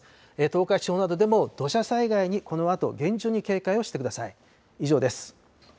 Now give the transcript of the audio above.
東海地方などでも土砂災害にこのあと、厳重に警戒をしてください。